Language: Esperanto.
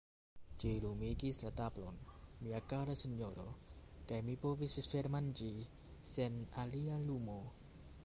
Ĝi lumigis la tablon, mia kara sinjoro, kaj ni povis vespermanĝi sen alia lumo.